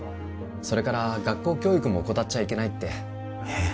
それから学校教育も怠っちゃいけないってえっ？